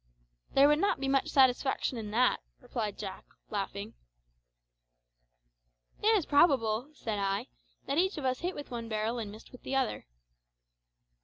"There would not be much satisfaction in that," replied Jack, laughing. "It is probable," said I, "that each of us hit with one barrel and missed with the other."